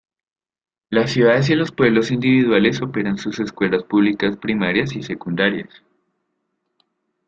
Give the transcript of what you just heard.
Las ciudades y los pueblos individuales operan sus escuelas públicas primarias y secundarias.